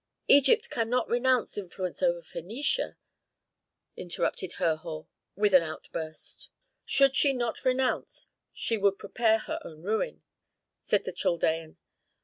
"Egypt cannot renounce influence over Phœnicia," interrupted Herhor, with an outburst. "Should she not renounce she would prepare her own ruin," said the Chaldean.